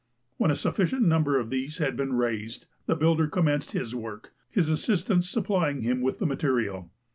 When a sufficient number of these had been raised, the builder commenced his work, his assistants supplying him with the material.